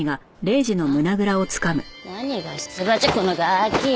何が出馬じゃこのガキ。